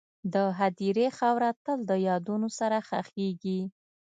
د هدیرې خاوره تل د یادونو سره ښخېږي..